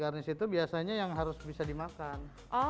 garnis itu biasanya yang harus bisa dimakan